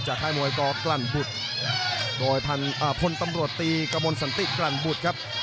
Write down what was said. จากไทยมวยกรรณบุธ